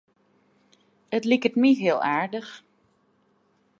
It liket my hiel aardich.